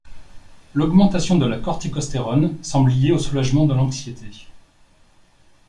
L'augmentation de la corticostérone semble liée au soulagement de l'anxiété.